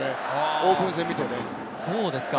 オープン戦を見ていて。